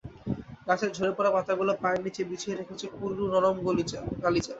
গাছের ঝরে পড়া পাতাগুলো পায়ের নিচে বিছিয়ে রেখেছে পুরু নরম গালিচা।